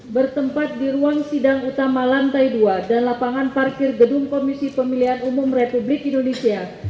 bertempat di ruang sidang utama lantai dua dan lapangan parkir gedung komisi pemilihan umum republik indonesia